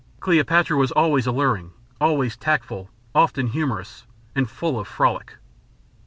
Cleopatra was always alluring, always tactful, often humorous, and full of frolic.